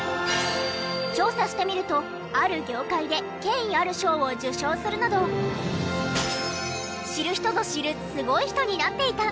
調査してみるとある業界で権威ある賞を受賞するなど知る人ぞ知るすごい人になっていた！